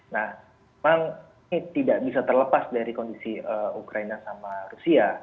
nah memang ini tidak bisa terlepas dari kondisi ukraina sama rusia